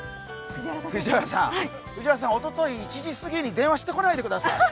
藤原さん、おととい１１時に電話してこないでください。